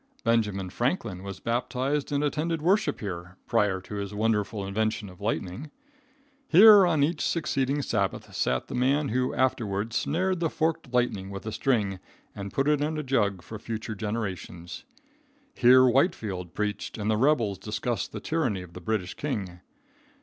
Benjamin Franklin was baptized and attended worship here, prior to his wonderful invention of lightning. Here on each succeeding Sabbath sat the man who afterwards snared the forked lightning with a string and put it in a jug for future generations. Here Whitefield preached and the rebels discussed the tyranny of the British king.